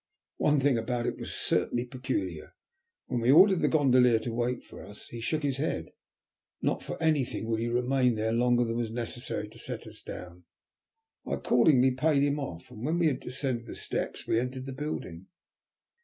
One thing about it was certainly peculiar. When we ordered the gondolier to wait for us he shook his head. Not for anything would he remain there longer than was necessary to set us down. I accordingly paid him off, and when we had ascended the steps we entered the building.